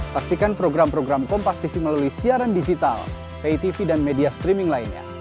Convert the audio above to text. saksikan program program kompastv melalui siaran digital paytv dan media streaming lainnya